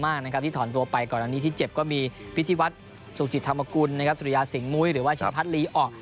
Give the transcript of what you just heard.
อาจก็มีพิธีวัตรสูงจิตธรรมกุลสุริยาสิงห์มุยหรือว่าเฉพาะพัดลีออก